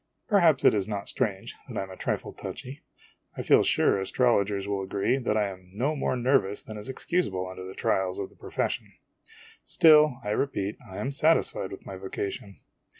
Perhaps it is not strange that I am a trifle touchy ; I feel sure astrologers will agree that I am no more nervous than is excusable under the trials of the profession. Still, I repeat, I am satisfied with my vocation.